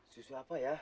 susu apa ya